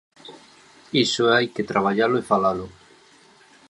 Iso hai que traballalo e falalo.